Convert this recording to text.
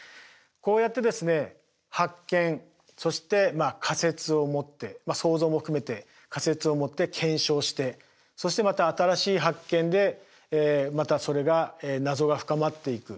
こうやってですね発見そして仮説を持って想像も含めて仮説を持って検証してそしてまた新しい発見でまたそれが謎が深まっていく。